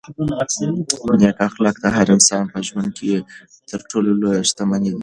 نېک اخلاق د هر انسان په ژوند کې تر ټولو لویه شتمني ده.